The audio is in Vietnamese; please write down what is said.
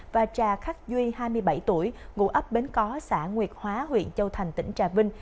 và trà khắc duy hai mươi bảy tuổi ngụ ấp bến có xã nguyệt hóa huyện châu thành tỉnh trà vinh